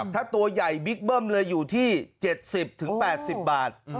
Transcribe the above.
ถ้าตัวใหญ่บิ๊กเบิ้มเลยอยู่ที่๗๐๘๐บาท